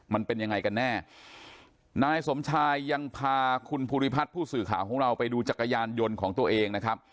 มันเป็นยังไงกันแน่นายสมชายยังพาคุณภูริพัฒน์ผู้สื่อข่าวของเราไปดูจักรยานยนต์ของตัวเองนะครับ